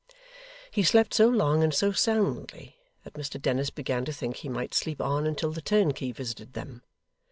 He slept so long and so soundly, that Mr Dennis began to think he might sleep on until the turnkey visited them.